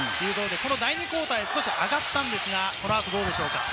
第２クオーターで少し上がったのですが、この後はどうでしょうか？